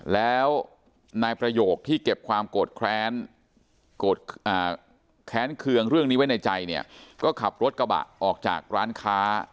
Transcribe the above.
แล้วนายประโยคที่เก็บความโกรธแค้นแค้นเคืองเรื่องนี้ไว้ในใจเนี่ยก็ขับรถกระบะออกจากร้านค้า